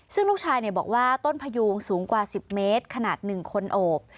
ซึ่งลูกชายบอกว่าต้นพยูงสูงกว่า๑๐เมตรขนาด๑คนโอบ